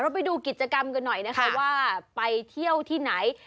ไปดูกิจกรรมกันหน่อยนะคะว่าไปเที่ยวที่ไหน